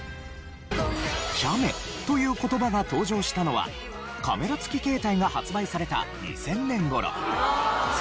写メという言葉が登場したのはカメラ付き携帯が発売された２０００年頃。